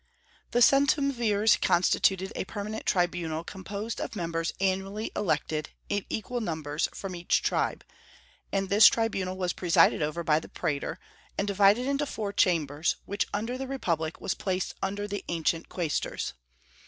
The centumvirs constituted a permanent tribunal composed of members annually elected, in equal numbers, from each tribe; and this tribunal was presided over by the praetor, and divided into four chambers, which under the republic was placed under the ancient quaestors.